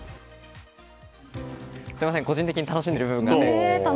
すみません、個人的に楽しんでいる部分があって。